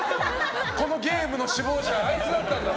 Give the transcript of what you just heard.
このゲームの首謀者はあいつだったんだ。